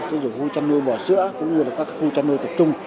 tức là khu chăn nuôi bò sữa cũng như là các cái khu chăn nuôi tập trung